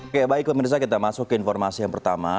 oke baik pemirsa kita masuk ke informasi yang pertama